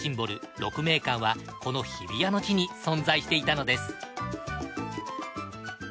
鹿鳴館はこの日比谷の地に存在していたのです。